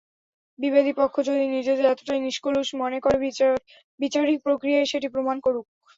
বিবাদীপক্ষ যদি নিজেদের এতটাই নিষ্কলুষ মনে করে, বিচারিক প্রক্রিয়ায় সেটি প্রমাণ করুক।